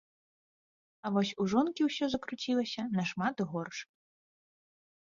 А вось у жонкі ўсё закруцілася нашмат горш.